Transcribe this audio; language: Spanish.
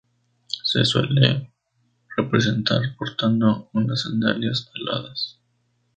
Se le suele representar portando unas sandalias aladas.